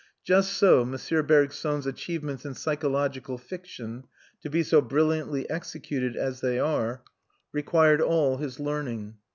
Just so M. Bergson's achievements in psychological fiction, to be so brilliantly executed as they are, required all his learning.